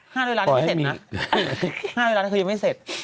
๕ล้านล้านคือไม่เสร็จนะ๕ล้านคือยังไม่เสร็จ